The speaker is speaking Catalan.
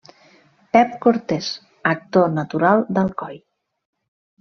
Pep Cortés, actor natural d’Alcoi.